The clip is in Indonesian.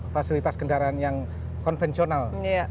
fasilitas kendaraan yang konvensional